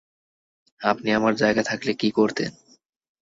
আপনি আমার জায়গাতে থাকলে কী করতেন?